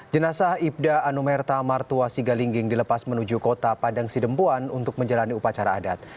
jenazah ibda anumerta martua sigalingging dilepas menuju kota padang sidempuan untuk menjalani upacara adat